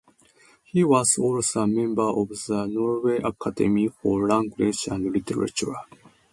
He was also a member of the Norwegian Academy for Language and Literature.